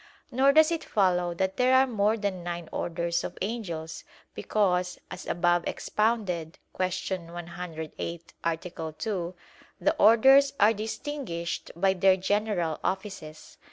Nor does it follow that there are more than nine orders of angels, because, as above expounded (Q. 108, A. 2), the orders are distinguished by their general offices.